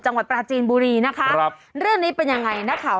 จังหวัดปราจีนบุรีนะคะครับเรื่องนี้เป็นยังไงนักข่าว